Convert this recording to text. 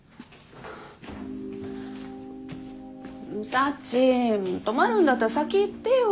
サチ泊まるんだったら先言ってよ。